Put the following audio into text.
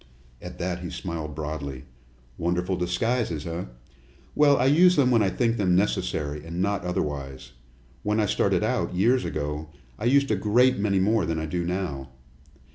At that he smiled broadly. "Wonderful disguises, eh? Well, I use them when I think them necessary, and not otherwise. When I started out, years ago, I used a great many more than I do now.